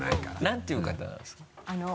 何ていう方なんですか？